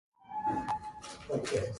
Travel discounts are a member benefit.